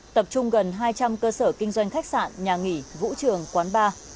tập trung gần hai trăm linh cơ sở kinh doanh khách sạn nhà nghỉ vũ trường quán bar